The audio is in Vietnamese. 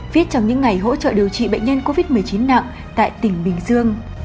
viết trong những ngày hỗ trợ điều trị bệnh nhân covid một mươi chín nặng tại tỉnh bình dương